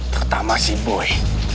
terutama si boy